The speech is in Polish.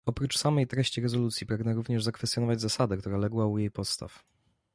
Oprócz samej treści rezolucji pragnę również zakwestionować zasadę, która legła u jej podstaw